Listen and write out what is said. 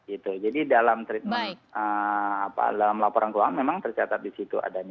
itu jadi dalam laporan keuangan memang tercatat di situ